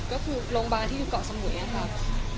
ก็คือโรงบารที่อยู่เกาะสมุยนะครับ